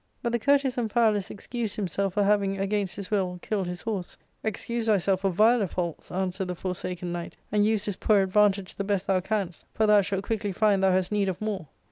But the courteous 328 ARCADIA.— Book III. Amphialus excused himself for having, against his will, killed his horsei* " Excuse thyself for viler faults," answered the Forsaken Knight, "and use this poor advantage the best thou canst ; for thou shalt quickly find thou hast need of more."